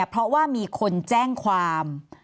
เพราะว่ามีคนแจ้งความ